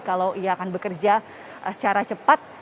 kalau ia akan bekerja secara cepat